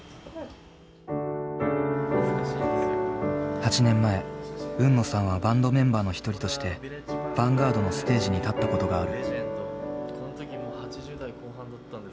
８年前海野さんはバンドメンバーの一人としてヴァンガードのステージに立ったことがある。